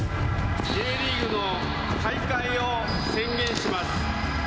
Ｊリーグの開会を宣言します。